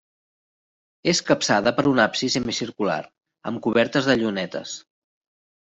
És capçada per un absis semicircular amb cobertes de llunetes.